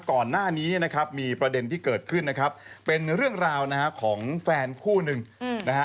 ก่อนหน้านี้นะครับมีประเด็นที่เกิดขึ้นนะครับเป็นเรื่องราวนะฮะของแฟนคู่หนึ่งนะฮะ